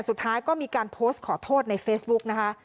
สุดท้ายก็มีการโพสต์ขอโทษในเฟซบุ๊กนะคะ